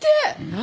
何？